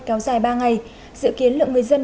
kéo dài ba ngày dự kiến lượng người dân